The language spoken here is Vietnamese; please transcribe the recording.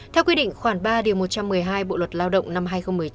theo quy định khoảng ba điều một trăm một mươi hai bộ luật lao động năm hai nghìn một mươi tám